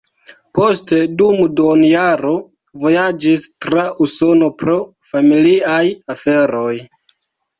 Poste dum duonjaro vojaĝis tra Usono pro familiaj aferoj.